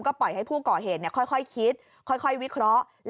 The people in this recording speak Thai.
ปล่อยให้ผู้ก่อเหตุค่อยคิดค่อยวิเคราะห์